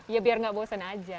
ya biar nggak bosen aja